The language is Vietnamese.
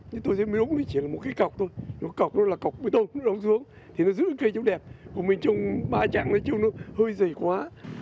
thì tôi sẽ mới đúng chỉ là một cái cọc thôi cọc đó là cọc mới đông nó đông xuống thì nó giữ cây chống đẹp của mình chống ba chặng chống nó hơi dày quá